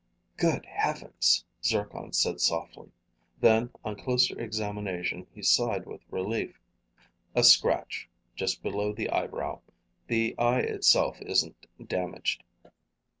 "Good heavens," Zircon said softly. Then, on closer examination, he sighed with relief. "A scratch, just below the eyebrow. The eye itself isn't damaged.